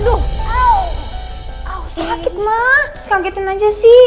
oh tuhan apa ini